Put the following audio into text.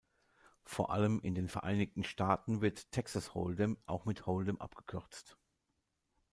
Vor allem in den Vereinigten Staaten wird "Texas Hold’em" auch mit "Hold’em" abgekürzt.